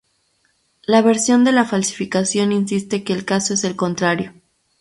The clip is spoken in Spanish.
La versión de la falsificación insiste que el caso es el contrario.